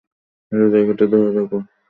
Hello, জায়গাটা ধরে রেখো।